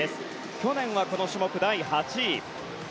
去年はこの種目、第８位。